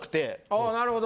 あなるほど。